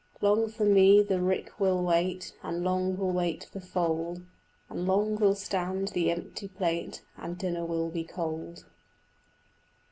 "Long for me the rick will wait, And long will wait the fold, And long will stand the empty plate, And dinner will be cold."